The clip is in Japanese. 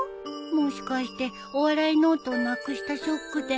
もしかしてお笑いノートをなくしたショックで？